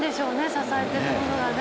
支えてるものがね。